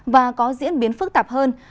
và có diễn biến phức tạp hơn